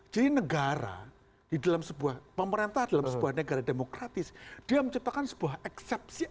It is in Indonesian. jadi negara di dalam sebuah pemerintah dalam sebuah negara demokratis dia menciptakan sebuah eksepsi eksepsi